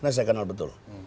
nah saya kenal betul